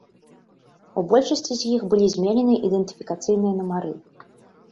У большасці з іх былі зменены ідэнтыфікацыйныя нумары.